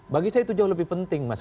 bagi saya itu jauh lebih penting mas